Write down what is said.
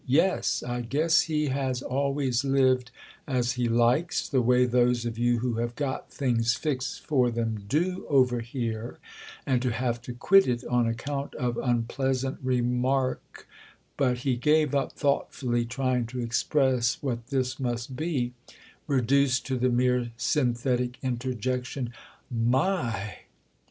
"Yes, I guess he has always lived as he likes, the way those of you who have got things fixed for them do, over here; and to have to quit it on account of unpleasant remark—" But he gave up thoughtfully trying to express what this must be; reduced to the mere synthetic interjection "My!"